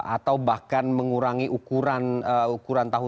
atau bahkan mengurangi ukuran tahu